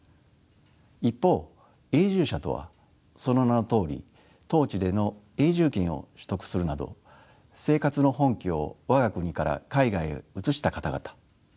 一方永住者とはその名のとおり当地での永住権を取得するなど生活の本拠を我が国から海外へ移した方々とされています。